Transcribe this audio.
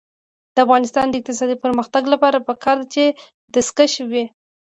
د افغانستان د اقتصادي پرمختګ لپاره پکار ده چې دستکشې وي.